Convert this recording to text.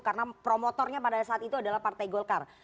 karena promotornya pada saat itu adalah partai golkar